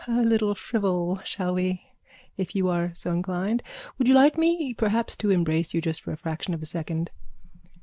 _ A little frivol, shall we, if you are so inclined? Would you like me perhaps to embrace you just for a fraction of a second?